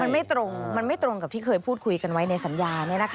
มันไม่ตรงกับที่เคยพูดคุยกันไว้ในสัญญา